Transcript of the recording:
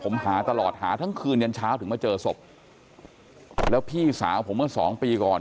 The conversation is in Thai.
ผมหาตลอดหาทั้งคืนยันเช้าถึงมาเจอศพแล้วพี่สาวผมเมื่อสองปีก่อน